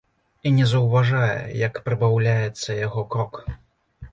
І не заўважае, як прыбаўляецца яго крок.